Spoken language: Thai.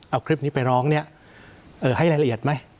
เอาคลิปนี้ไปร้องเนี่ยให้รายละเอียดไหม